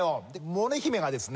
百音姫がですね